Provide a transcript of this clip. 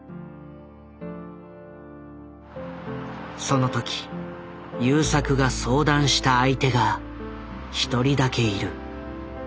その時優作が相談した相手が１人だけいる。